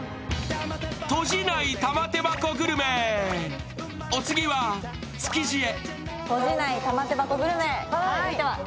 閉じない玉手箱グルメ、お次は築地へ。